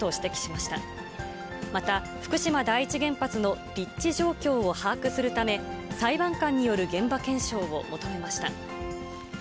また、福島第一原発の立地状況を把握するため、裁判官による現場検証を求めました。